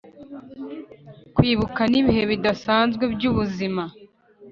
kwibuka nibihe bidasanzwe byubuzima